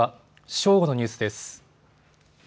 正午のニュースです。